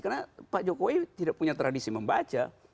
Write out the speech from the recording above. karena pak jokowi tidak punya tradisi membaca